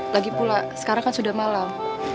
lagipula sekali kan sudah malam